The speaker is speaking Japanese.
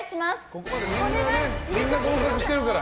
ここまでみんな合格してるから。